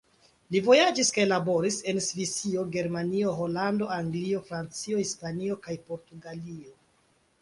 Li vojaĝis kaj laboris en Svisio, Germanio, Holando, Anglio, Francio, Hispanio kaj Portugalio.